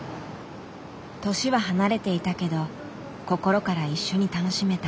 年は離れていたけど心から一緒に楽しめた。